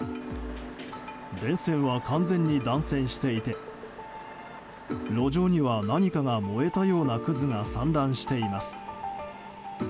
電線は完全に断線していて路上には何かが燃えたようなくずが散乱しています。